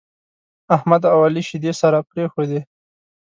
احمد او عالي شيدې سره پرېښودې.